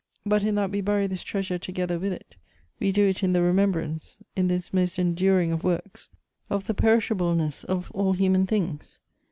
But in that we bury this treasure together with it, we do it in the remembrance — in this most enduring of works — of the perishableness of all human things.